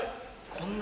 こんな。